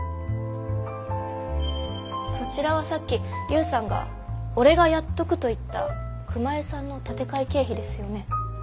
そちらはさっき勇さんが「俺がやっとく」と言った熊井さんの立て替え経費ですよね。